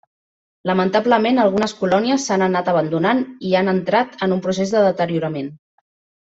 Lamentablement algunes colònies s'han anat abandonant i han entrat en un procés de deteriorament.